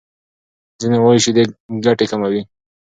ځینې وايي شیدې ګټې کموي.